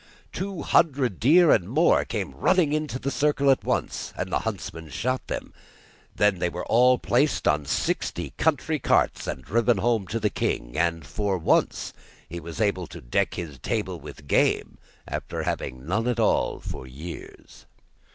Two hundred deer and more came running inside the circle at once, and the huntsmen shot them. Then they were all placed on sixty country carts, and driven home to the king, and for once he was able to deck his table with game, after having had none at all for years.